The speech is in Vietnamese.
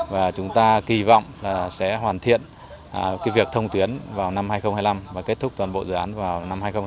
và chúng ta kỳ vọng là sẽ hoàn thiện việc thông tuyến vào năm hai nghìn hai mươi năm và kết thúc toàn bộ dự án vào năm hai nghìn hai mươi năm